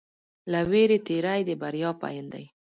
له وېرې تېری د بریا پيل دی.